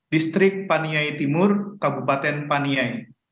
distrik paniyai timur kabupaten paniyai